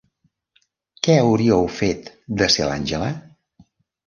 Què hauríeu fet de ser l'Àngela?